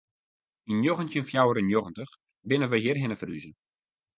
Yn njoggentjin fjouwer en njoggentich binne we hjirhinne ferhûze.